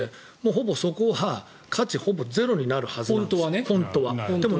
ほぼ、そこは価値がほぼゼロになるはずなんです。